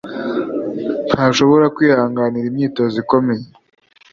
Ntashobora kwihanganira imyitozo ikomeye.